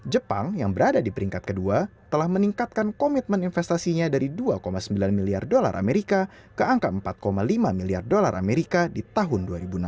jepang yang berada di peringkat kedua telah meningkatkan komitmen investasinya dari dua sembilan miliar dolar amerika ke angka empat lima miliar dolar amerika di tahun dua ribu enam belas